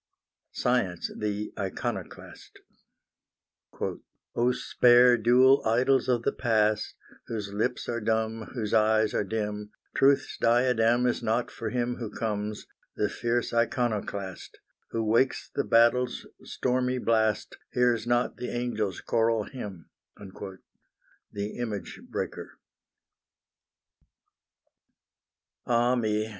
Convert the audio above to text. SCIENCE, THE ICONOCLAST. _"Oh! spare dual idols of the past, Whose lips are dumb, whose eyes are dim; Truth's diadem is not for him Who comes, the fierce Iconoclast: Who wakes the battle's stormy blast, Hears not the angel's choral hymn" _ THE IMAGE BREAKER Ah me!